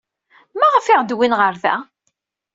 Maɣef ay aɣ-d-wwin ɣer da?